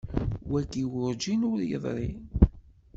Wagi werǧin i d-yeḍri.